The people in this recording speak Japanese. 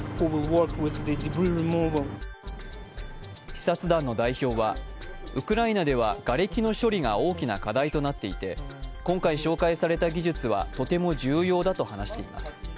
視察団の代表はウクライナではがれきの処理が大きな課題となっていて今回紹介された技術はとても重要だと話しています。